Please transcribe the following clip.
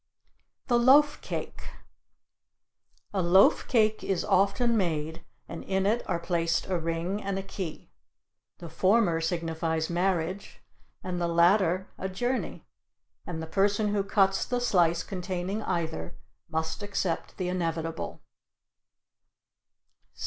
THE LOAF CAKE A loaf cake is often made, and in it are placed a ring and a key. The former signifies marriage, and the latter a journey, and the person who cuts the slice containing either must accept the inevitable.